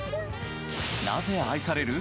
なぜ愛される？